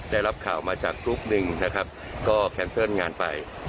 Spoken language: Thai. ได้รับข่าวมาจากกรุ๊ปหนึ่งนะครับก็แคนเซิลงานไป